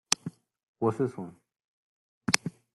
What's this one?